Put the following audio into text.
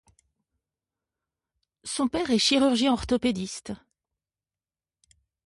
Son père est chirurgien orthopédiste.